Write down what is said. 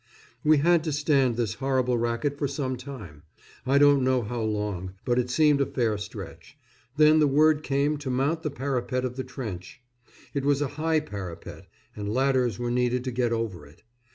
We had to stand this horrible racket for some time. I don't know how long, but it seemed a fair stretch; then the word came to mount the parapet of the trench. It was a high parapet, and ladders were needed to get over it.